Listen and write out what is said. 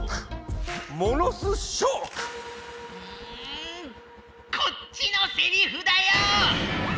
んこっちのセリフだよ！